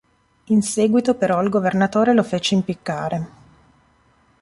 In seguito però, il governatore lo fece impiccare.